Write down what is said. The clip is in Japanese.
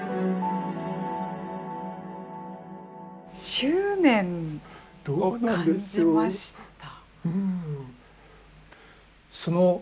執念を感じました？